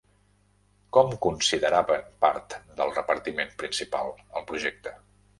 Com consideraven part del repartiment principal el projecte?